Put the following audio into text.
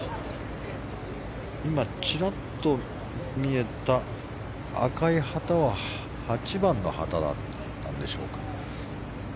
今、ちらっと見えた赤い旗は８番の旗だったんでしょうか。